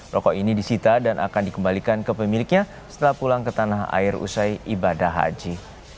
rokok ini disita dan akan dikembalikan ke pemiliknya setelah pulang ke tanah air usai ibadah haji